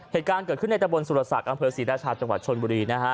เหตุการณ์เกิดขึ้นในตะบนสุรศักดิ์อำเภอศรีราชาจังหวัดชนบุรีนะฮะ